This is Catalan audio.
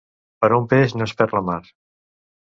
Per un peix no es perd la mar.